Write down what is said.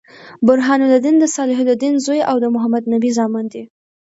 برهان الدين د صلاح الدین زوي او د محمدنبي زامن دي.